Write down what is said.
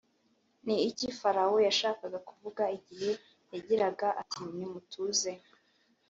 Ni iki Farawo yashakaga kuvuga igihe yagiraga ati nimuze